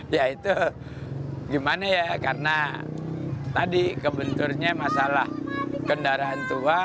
ya itu gimana ya karena tadi kebenturnya masalah kendaraan tua